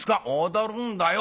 「踊るんだよ。